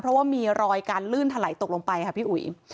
เพราะว่ามีรอยการลื่นถลายตกลงไปค่ะพี่อุ๋ย